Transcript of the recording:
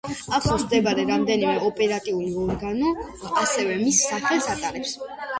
ახლოს მდებარე რამდენიმე ოპერატიული ორგანო ასევე მის სახელს ატარებს.